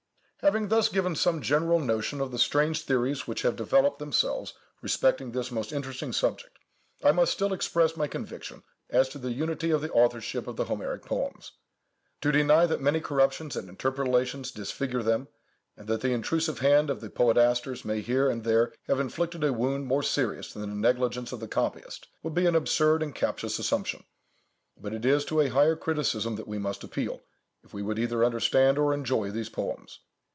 Having thus given some general notion of the strange theories which have developed themselves respecting this most interesting subject, I must still express my conviction as to the unity of the authorship of the Homeric poems. To deny that many corruptions and interpolations disfigure them, and that the intrusive hand of the poetasters may here and there have inflicted a wound more serious than the negligence of the copyist, would be an absurd and captious assumption, but it is to a higher criticism that we must appeal, if we would either understand or enjoy these poems.